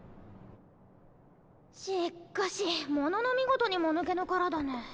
しっかしものの見事にもぬけの殻だね。